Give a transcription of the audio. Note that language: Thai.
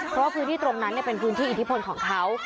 เพราะว่าพื้นที่ตรงนั้นเป็นพื้นที่อิทธิพลของเขา